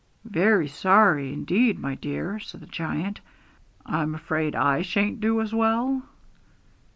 'Very sorry, indeed, my dear,' said the giant. 'I'm afraid I sha'n't do as well?'